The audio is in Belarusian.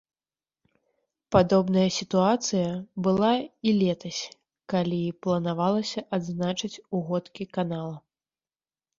Падобная сітуацыя была і летась, калі планавалася адзначыць угодкі канала.